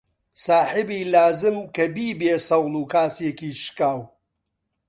ساحیبی لازم کە بیبێ سەوڵ و کاسێکی شکاو